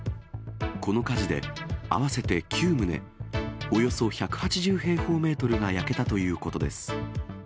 この火事で、合わせて９棟、およそ１８０平方メートルが焼けたということです。